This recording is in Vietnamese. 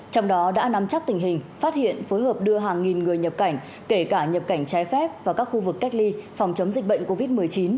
trong đó đã nắm chắc tình hình phát hiện phối hợp đưa hàng nghìn người nhập cảnh kể cả nhập cảnh trái phép vào các khu vực cách ly phòng chống dịch bệnh covid một mươi chín